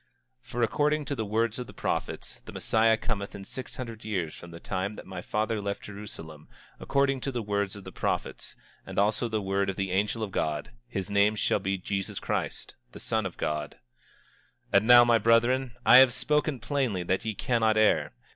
25:19 For according to the words of the prophets, the Messiah cometh in six hundred years from the time that my father left Jerusalem; and according to the words of the prophets, and also the word of the angel of God, his name shall be Jesus Christ, the Son of God. 25:20 And now, my brethren, I have spoken plainly that ye cannot err.